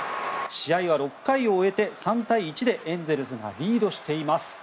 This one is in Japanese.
試合は６回を終えて３対１でエンゼルスがリードしています。